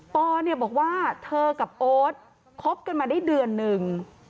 ปอเนี่ยบอกว่าเธอกับโอ๊ตคบกันมาได้เดือนหนึ่ง